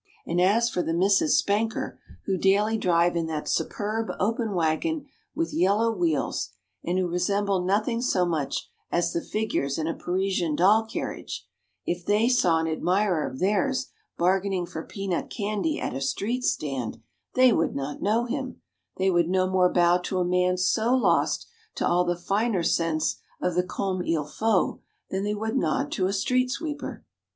And as for the Misses Spanker, who daily drive in that superb open wagon with yellow wheels, and who resemble nothing so much as the figures in a Parisian doll carriage, if they saw an admirer of theirs bargaining for peanut candy at a street stand they would not know him they would no more bow to a man so lost to all the finer sense of the comme il faut than they would nod to a street sweeper.